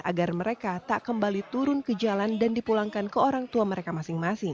agar mereka tak kembali turun ke jalan dan dipulangkan ke orang tua mereka masing masing